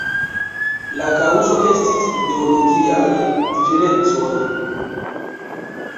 La kaŭzo estis ideologiaj diferencoj.